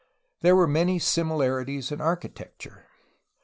There were many similarities in architecture.